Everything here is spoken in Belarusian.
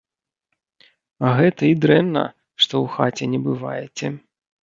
А гэта і дрэнна, што ў хаце не бываеце!